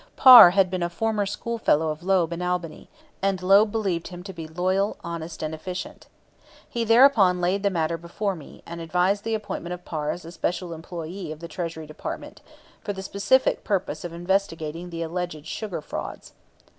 Parr had been a former school fellow of Loeb in Albany, and Loeb believed him to be loyal, honest, and efficient. He thereupon laid the matter before me, and advised the appointment of Parr as a special employee of the Treasury Department, for the specific purpose of investigating the alleged sugar frauds.